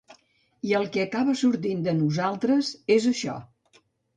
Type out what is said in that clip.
I el que acaba sortint de nosaltres és això.